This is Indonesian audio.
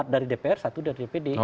empat dari dpr